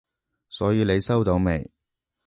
所以你收到未？